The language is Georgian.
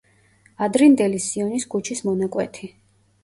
ადრინდელი სიონის ქუჩის მონაკვეთი.